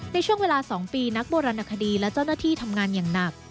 ในช่วงเวลา๒ปีนักโบราณคดีและเจ้าหน้าที่ทำงานอย่างหนัก